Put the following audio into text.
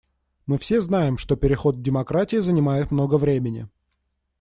Мы все знаем, что переход к демократии занимает много времени.